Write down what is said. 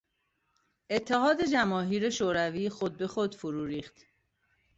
اتحاد جماهیر شوروی خود به خود فرو ریخت.